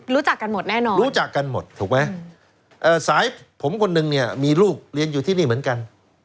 รู้จักกันหมดแน่นอนรู้จักกันหมดถูกไหมสายผมคนนึงเนี่ยมีลูกเรียนอยู่ที่นี่เหมือนกัน